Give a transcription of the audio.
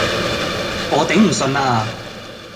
我頂唔順啦